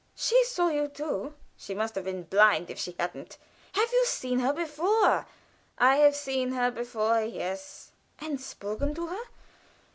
"She saw you too." "She must have been blind if she hadn't." "Have you seen her before?" "I have seen her before yes." "And spoken to her?"